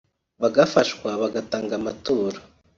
bagafashwa bagatanga amaturo